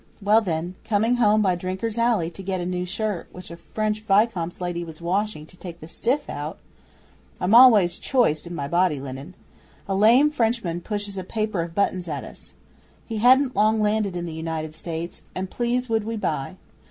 Well, then, coming home by Drinker's Alley to get a new shirt which a French Vicomte's lady was washing to take the stiff out of (I'm always choice in my body linen) a lame Frenchman pushes a paper of buttons at us. He hadn't long landed in the United States, and please would we buy.